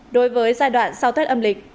đối với giai đoạn sau thết âm lịch